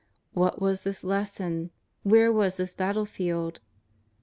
What was this lesson? where was this battle field?